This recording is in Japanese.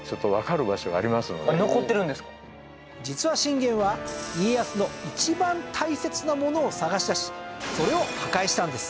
実は信玄は家康の一番大切なものを探し出しそれを破壊したんです。